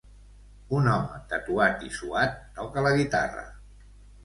Un home tatuat i suat toca la guitarra